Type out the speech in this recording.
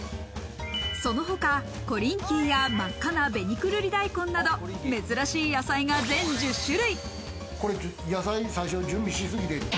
その他、コリンキーや真っ赤な紅くるり大根など、珍しい野菜が全１０種類。